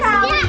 taruh di wajan